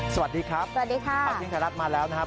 สวัสดีครับสวัสดีค่ะข่าวเที่ยงไทยรัฐมาแล้วนะครับ